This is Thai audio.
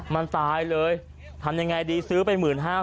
มันตายเลยทำยังไงดีซื้อไป๑๕๐๐